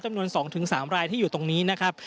จำนวน๒๓รายที่อยู่ตรงนี้นะครับ